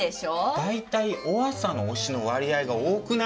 大体、おアサの推しの割合が多くない？